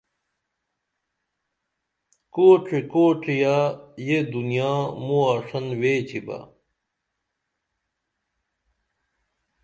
کوڇی کوڇیہ یہ دنیا موں آݜن ویچیبہ